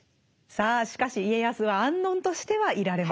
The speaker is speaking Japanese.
さあしかし家康は安穏としてはいられません。